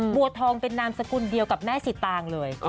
บัวทองเป็นนามสกุลเดียวกับแม่สิตางเลย